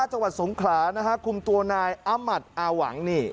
จังหวัดสงขลานะฮะคุมตัวนายอามัติอาหวังนี่